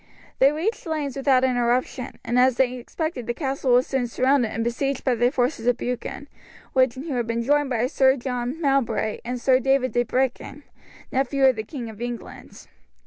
They reached Slaines without interruption, and as they expected the castle was soon surrounded and besieged by the forces of Buchan, who had been joined by Sir John Mowbray and Sir David de Brechin, nephew of the King of England.